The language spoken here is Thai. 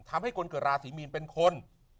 ทำให้คนเกิดราศีมีนเป็นคน